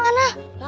haikal teh kemana